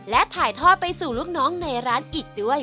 และถ่ายทอดไปสู่ลูกน้องในร้านอีกด้วย